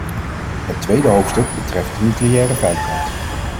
Het tweede hoofdstuk betreft de nucleaire veiligheid.